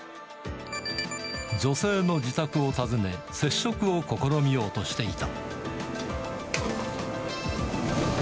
女性の自宅を訪ね、接触を試みようとしていた。